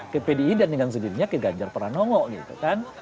ke pdi dan dengan sendirinya ke ganjar pranowo gitu kan